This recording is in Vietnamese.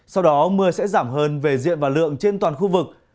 sau đó mưa sẽ giảm hơn về diện và lượng trên toàn khu vực